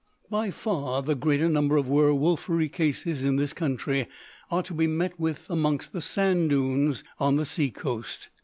By far the greater number of werwolfery cases in this country are to be met with amongst the sand dunes on the sea coast.